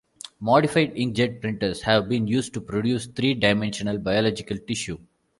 Modified inkjet printers have been used to produce three-dimensional biological tissue.